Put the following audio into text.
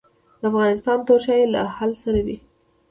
د افغانستان تور چای له هل سره وي